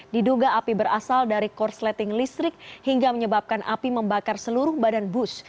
diduga api berasal dari korsleting listrik hingga menyebabkan api membakar seluruh badan bus